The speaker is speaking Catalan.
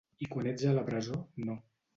I quan ets a la presó, no.